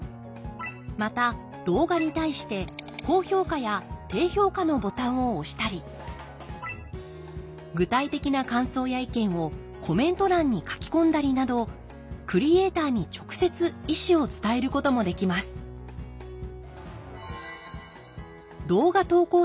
また動画に対して高評価や低評価のボタンを押したり具体的な感想や意見をコメント欄に書き込んだりなどクリエーターに直接意思を伝えることもできますんなるほど。